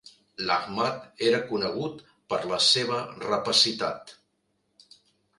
L'Ahmad era conegut per la seva rapacitat.